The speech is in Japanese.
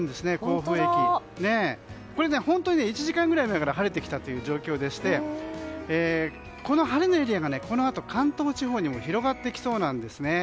１時間くらい前から晴れてきた状況でしてこの晴れのエリアがこのあと関東地方にも広がってきそうなんです。